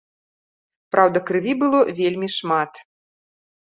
Праўда, крыві было вельмі шмат.